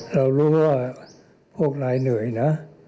เรารู้ว่าพวกนายเหนื่อยนะ